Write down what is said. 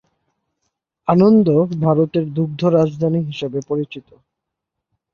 আনন্দ ভারতের দুগ্ধ রাজধানী হিসাবে পরিচিত।